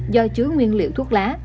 do chứa nguyên liệu thuốc lá